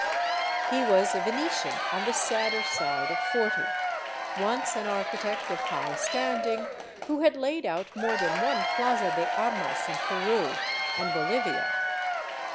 He was a Venetian on the sadder side of forty, once an architect of high standing, who had laid out more than one Plaza de Armas in Peru and Bolivia.